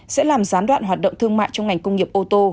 sẽ làm gián đoạn hoạt động thương mại trong ngành công nghiệp ô tô